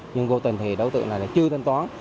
nhưng vô tình thì đối tượng này là chưa thanh toán